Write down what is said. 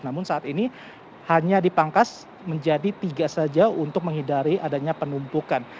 namun saat ini hanya dipangkas menjadi tiga saja untuk menghindari adanya penumpukan